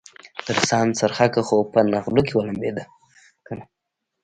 د روسانو څرخکه خو په نغلو کې ولمبېدله کنه.